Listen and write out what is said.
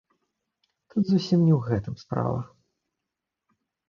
Тут зусім не ў гэтым справа.